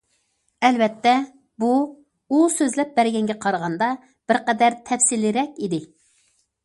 ئەلۋەتتە بۇ، ئۇ سۆزلەپ بەرگەنگە قارىغاندا بىر قەدەر تەپسىلىيرەك ئىدى.